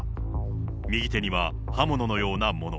右手には刃物のようなもの。